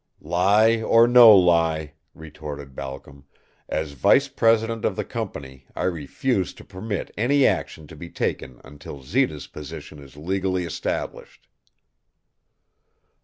"Lie or no lie," retorted Balcom, "as vice president of the company I refuse to permit any action to be taken until Zita's position is legally established."